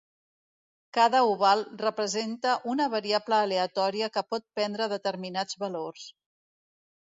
Cada oval representa una variable aleatòria que pot prendre determinats valors.